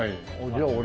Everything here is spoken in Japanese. じゃあ俺